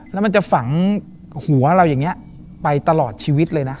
แล้วมันจะฝังหัวเราอย่างนี้ไปตลอดชีวิตเลยนะ